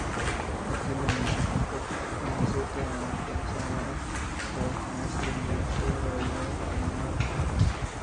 Aquel inició contactos con Niceto Alcalá-Zamora para obtener seguridades sobre la vida del monarca.